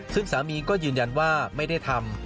ซึ่งสามีก็ยืนยันว่าไม่ได้ทำ